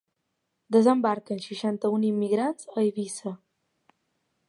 Desembarquen seixanta-un immigrants a Eivissa